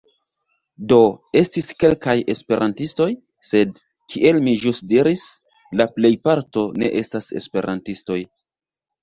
Do, estis kelkaj Esperantistoj, sed, kiel mi ĵus diris, la plejparto ne estas Esperantistoj.